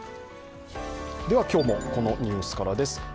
では、今日もこのニュースからです